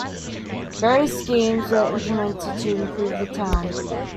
Various schemes were implemented to improve the town.